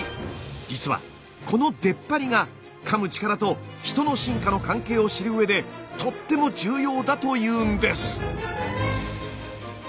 実はこの出っ張りがかむ力と人の進化の関係を知る上でとっても重要だというんです。